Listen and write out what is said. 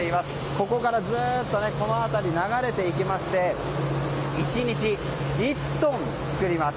ここからずっとこの辺り流れていきまして１日１トン作ります。